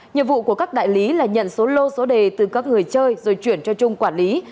nhiệm vụ của các đại lý là nhận số lô số đề từ các người chơi rồi chuyển cho trung quản lý